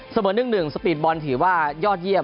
เสมอ๑๑สปีดบอลถือว่ายอดเยี่ยม